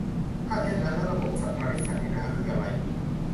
ถ้าเช่นนั้นแล้วระบบผลิตศักดินาคืออะไร ?